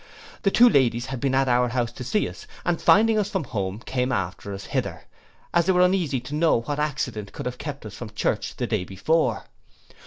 The two ladies had been at our house to see us, and finding us from home, came after us hither, as they were uneasy to know what accident could have kept us from church the day before.